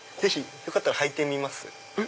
よかったら履いてみます？